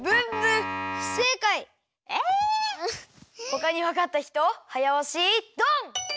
ほかにわかった人はやおしドン！